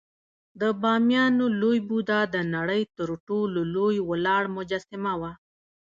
د بامیانو لوی بودا د نړۍ تر ټولو لوی ولاړ مجسمه وه